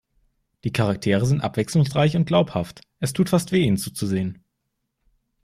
Die Charaktere sind abwechslungsreich und glaubhaft. Es tut fast weh, ihnen zuzusehen.